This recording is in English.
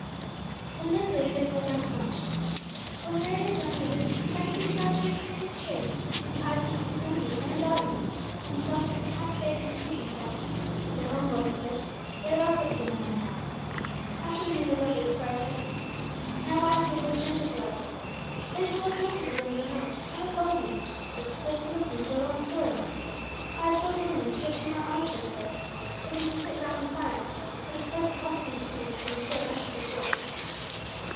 Ten minutes later they sat down to lunch. When Harry rejoined the others, he fancied he saw traces of tears in the eyes of Mrs. Lindsay and her daughter; and he thought that perhaps they had been thinking that, if their own boys had lived, they also would be young men now. After the meal was over, the squire said: "Now, wife, we will all adjourn to the library. It is the most comfortable room in the house, and the cosiest just the place for listening to a long story. I have told William to get two more armchairs there, so that we can sit round the fire which is quite the proper thing to do when a story has to be told."